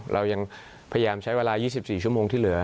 เรายังพยายามใช้เวลา๒๔ชั่วโมงที่เหลือ